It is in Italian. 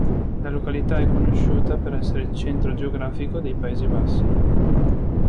La località è conosciuta per essere il centro geografico dei Paesi Bassi.